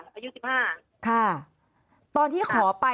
มันเป็นอาหารของพระราชา